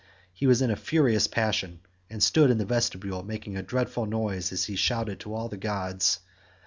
He was in a furious passion, and stood in the vestibule making a dreadful noise as he shouted to all the gods.